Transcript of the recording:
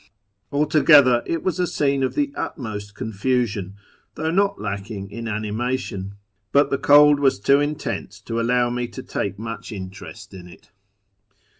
Altogether, it was a scene of the utmost confusion, though not lacking in animation ; but the cold was too intense to allow me to take much interest in it.